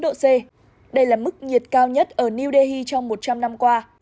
bốn mươi chín chín độ c đây là mức nhiệt cao nhất ở new delhi trong một trăm linh năm qua